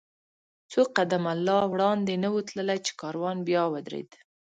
څو قدمه لا وړاندې نه و تللي، چې کاروان بیا ودرېد.